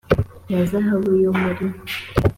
na zahabu yo muri